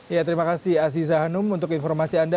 ya terima kasih aziza hanum untuk informasi anda